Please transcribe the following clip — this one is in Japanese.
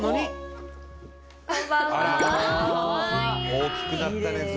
大きくなったね随分。